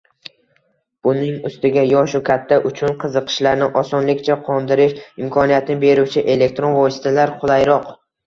Buning ustiga, yosh-u katta uchun qiziqishlarni osonlikcha qondirish imkoniyatini beruvchi elektron vositalar qulayroq.